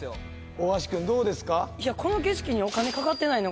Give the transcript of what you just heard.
大橋くんどうですか？